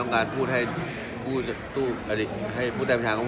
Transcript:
มีอะไรที่สมาชิก๒๐ช่าง